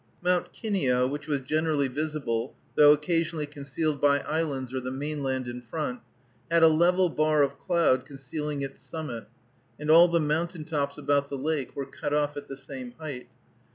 Mount Kineo, which was generally visible, though occasionally concealed by islands or the mainland in front, had a level bar of cloud concealing its summit, and all the mountain tops about the lake were cut off at the same height.